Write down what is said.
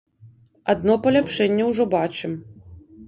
Адно паляпшэнне ўжо бачым.